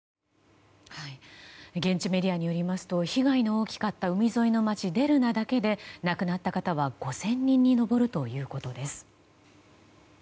現地メディアによりますと被害の大きかった海沿いの街デルナだけで、亡くなった方は５０００人に上るということです。